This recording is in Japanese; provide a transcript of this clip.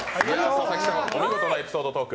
佐々木さん、お見事なエピソードトーク。